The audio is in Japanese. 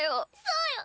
そうよ！